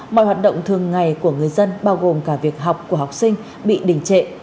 mọi hoạt động thường ngày của người dân bao gồm cả việc học của học sinh bị đình trệ